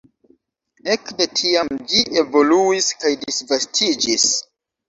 Ekde tiam ĝi evoluis kaj disvastiĝis.